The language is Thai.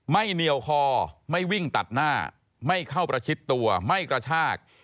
เหนียวคอไม่วิ่งตัดหน้าไม่เข้าประชิดตัวไม่กระชาก